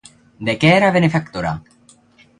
De què era benefactora?